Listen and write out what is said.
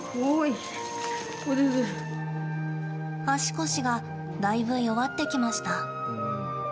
足腰がだいぶん弱ってきました。